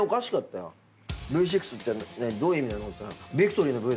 Ｖ６ってどういう意味なの？って言ったら。